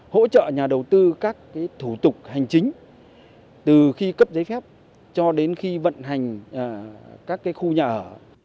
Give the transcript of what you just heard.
hỗ trợ nhà đầu tư các thủ tục hành chính từ khi cấp giấy phép cho đến khi vận hành các khu nhà ở